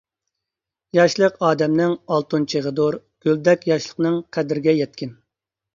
ياشلىق ئادەمنىڭ ئالتۇن چېغىدۇر، گۈلدەك ياشلىقنىڭ قەدرىگە يەتكىن.